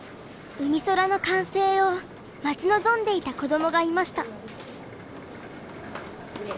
うみそらの完成を待ち望んでいた子どもがいました。